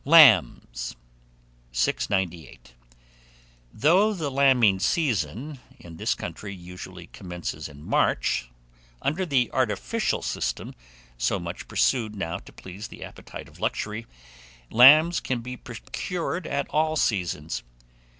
LAMBS. 698. THOUGH THE LAMBING SEASON IN THIS COUNTRY usually commences in March, under the artificial system, so much pursued now to please the appetite of luxury, lambs can be procured at all seasons.